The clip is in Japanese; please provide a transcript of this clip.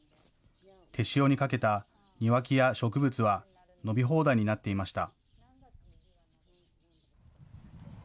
手塩にかけた庭木や植物は伸び放題になっていました。